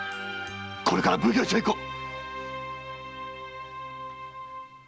これから奉行所へ行こう！